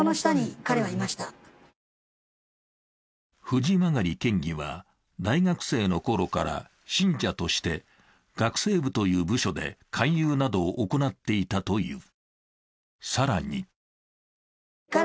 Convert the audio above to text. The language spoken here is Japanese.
藤曲県議は、大学生のころから信者として学生部という部署で勧誘などを行っていたという。